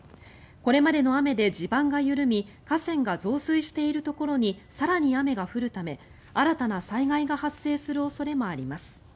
これまでの雨で地盤が緩み河川が増水しているところに更に雨が降るため新たな災害が発生する恐れもあります。